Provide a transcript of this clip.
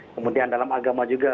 kemudian dalam agama juga